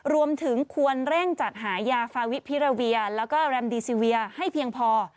รวมถึงควรเร่งจัดหายาฟาวิพิราเวียแล้วก็แรมดีซีเวียให้เพียงพอ